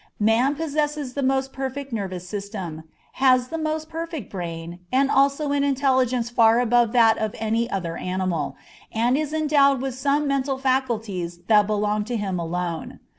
Man possesses the most perfect nervous system, has the most perfect brain, and also an intelligence far above that of any other animal, and is endowed with some mental faculties that belong to him alone.